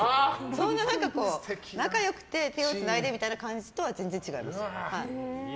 そんなに仲良くて手をつないでみたいな感じとは違います。